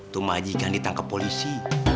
tuh majikan ditangkap polisi